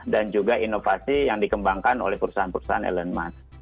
juga inovasi yang dikembangkan oleh perusahaan perusahaan elon musk